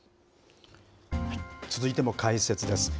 続いても解説です。